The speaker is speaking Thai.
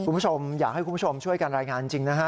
คุณผู้ชมอยากให้คุณผู้ชมช่วยกันรายงานจริงนะฮะ